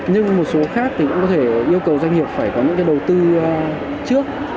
nhưng một số khác thì cũng có thể yêu cầu doanh nghiệp phải có những cái đầu tư trước